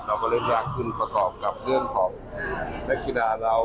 เราบริการคุณประกอบกับเรื่องของนักกีฬาเรา